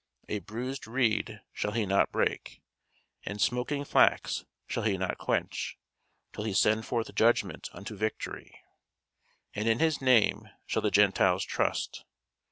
A bruised reed shall he not break, and smoking flax shall he not quench, till he send forth judgment unto victory. And in his name shall the Gentiles trust.